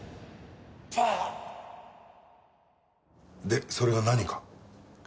でそれが何か？